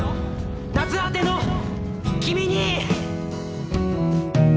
夏果ての君に！